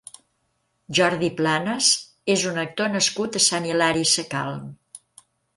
Jordi Planas és un actor nascut a Sant Hilari Sacalm.